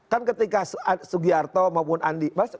kan ketika sugiarto maupun andi